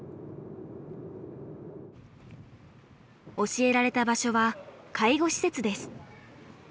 教えられた場所は介護施設です。